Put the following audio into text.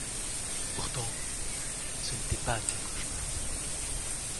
Pourtant ce n'était pas qu'un cauchemar.